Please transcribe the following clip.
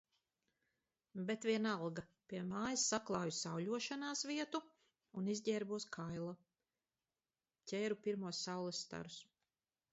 Bet vienalga pie mājas saklāju sauļošanās vietu un izģērbos kaila, ķēru pirmos saules starus.